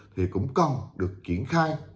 thì cũng còn được triển khai